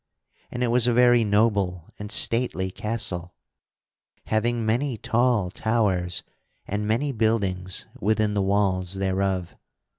And it was a very noble and stately castle, having many tall towers and many buildings within the walls thereof.